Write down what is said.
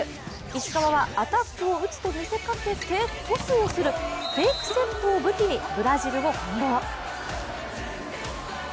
石川はアタックを打つと見せかけて、トスをするフェークセットを武器にブラジルを翻弄。